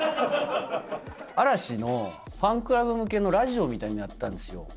嵐のファンクラブ向けのラジオみたいなのやってたんですよ。